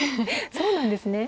そうなんですね。